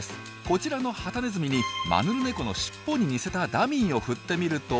こちらのハタネズミにマヌルネコのしっぽに似せたダミーを振ってみると。